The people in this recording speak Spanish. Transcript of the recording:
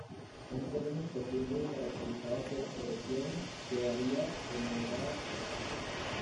Son terrenos profundos y caracterizados por erosión que varía de moderada a grave.